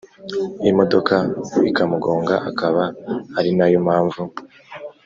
imodoka ikamugonga akaba arinayo mpamvu